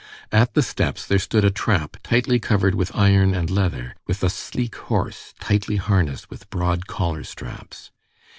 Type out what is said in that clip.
At the steps there stood a trap tightly covered with iron and leather, with a sleek horse tightly harnessed with broad collar straps.